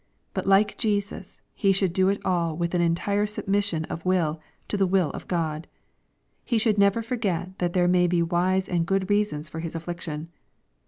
But like Jesus, he should do it all vsrith an entire submission of will to the will of God. He should never forget that there may be wise aad good reasons for His affliction.